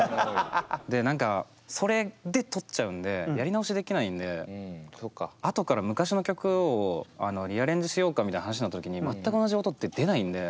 で何かそれでとっちゃうんでやり直しできないんであとから昔の曲をリアレンジしようかみたいな話になった時に全く同じ音って出ないんで。